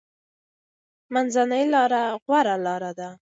منځنۍ لاره غوره لاره ده.